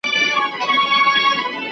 جبر د لوستلو ذوق وژني.